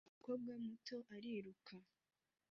Umukobwa muto ariruka